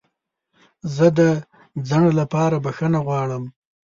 زه د ځنډ لپاره بخښنه غواړم.